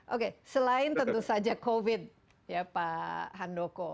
oke selain tentu saja covid ya pak handoko